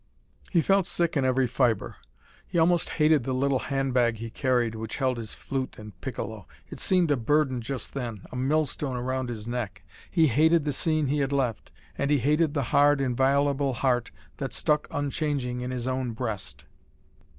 He felt sick in every fibre. He almost hated the little handbag he carried, which held his flute and piccolo. It seemed a burden just then a millstone round his neck. He hated the scene he had left and he hated the hard, inviolable heart that stuck unchanging in his own breast.